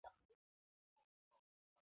宗尧也十分的尽力重整藩中财政。